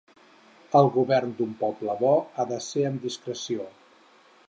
El govern d'un poble bo ha de ser amb discreció.